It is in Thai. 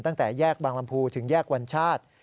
ตั้งแต่แยกบางลำพูถึงแยกวัญชาติ